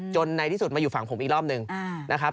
ในที่สุดมาอยู่ฝั่งผมอีกรอบหนึ่งนะครับ